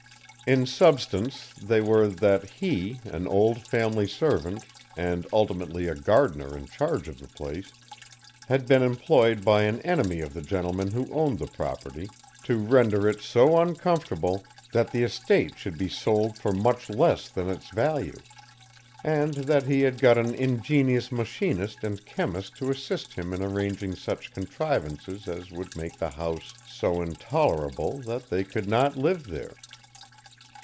"In substance they were, that he, an old family servant, and ultimately a gardener in charge of the place, had been employed by an enemy of the gentleman who owned the property, to render it so uncomfortable that the estate should be sold for much less than its value; and that he had got an ingenious machinist and chemist to assist him in arranging such contrivances as would make the house so intolerable that they could not live there.